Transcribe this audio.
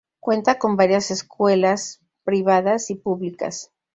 Cuenta con varias escuelas, privadas y públicas.